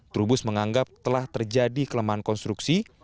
trubus menganggap telah terjadi kelemahan konstruksi